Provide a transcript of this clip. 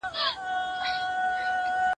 ژوند به نه غواړي مرگی به یې خوښېږي